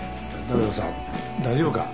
だけどさ大丈夫か？